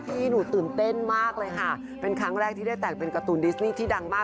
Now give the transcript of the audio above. พี่หนูตื่นเต้นมากเลยค่ะเป็นครั้งแรกที่ได้แตกเป็นการ์ตูนดิสรีที่ดังมาก